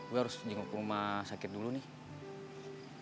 gue harus jenguk rumah sakit dulu nih